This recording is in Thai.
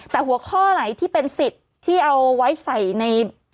แต่หัวข้อไหนที่เป็นสิทธิ์ที่เอาไว้ใส่ใน